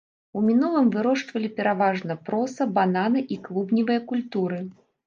У мінулым вырошчвалі пераважна проса, бананы і клубневыя культуры.